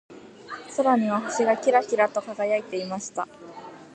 空には星がキラキラと輝いていました。